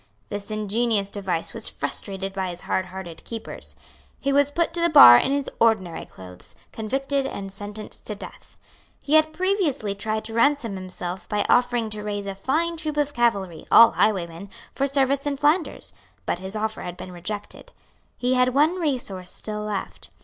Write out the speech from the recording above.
This ingenious device was frustrated by his hardhearted keepers. He was put to the bar in his ordinary clothes, convicted and sentenced to death. He had previously tried to ransom himself by offering to raise a fine troop of cavalry, all highwaymen, for service in Flanders; but his offer had been rejected. He had one resource still left.